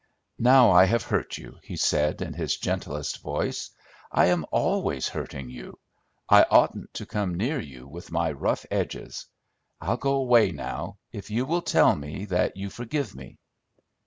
"Now I have hurt you," he said in his gentlest voice. "I am always hurting you. I oughtn't to come near you with my rough edges! I'll go away now, if you will tell me that you forgive me!"